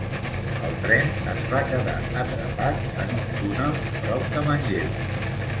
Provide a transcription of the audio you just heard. El tren es va quedar atrapat en un túnel prop de Manlleu.